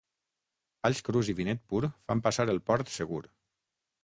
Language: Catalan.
Alls crus i vinet pur fan passar el port segur.